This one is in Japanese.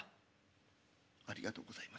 「ありがとうございます。